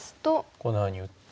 このように打って。